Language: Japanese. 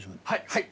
はい。